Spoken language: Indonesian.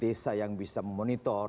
desa yang bisa memonitor